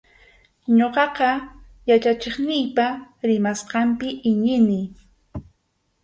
Ñuqaqa yachachiqniypa rimasqanpi iñini.